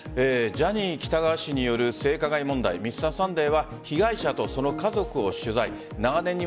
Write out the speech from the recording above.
ジャニー喜多川氏による性加害問題、Ｍｒ．サンデーは被害者と、その家族を取材。